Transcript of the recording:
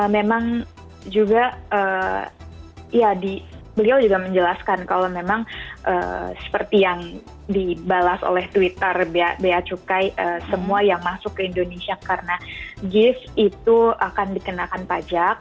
memang juga ya beliau juga menjelaskan kalau memang seperti yang dibalas oleh twitter bea cukai semua yang masuk ke indonesia karena gift itu akan dikenakan pajak